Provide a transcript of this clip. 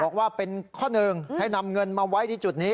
บอกว่าเป็นข้อหนึ่งให้นำเงินมาไว้ที่จุดนี้